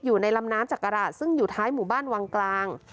อยู่ในลำน้ำจักรราชซึ่งอยู่ท้ายหมู่บ้านวังกลาง